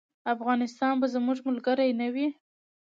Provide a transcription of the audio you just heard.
افغانستان به زموږ ملګری نه وي.